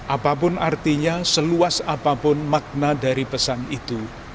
apapun artinya seluas apapun makna dari pesan itu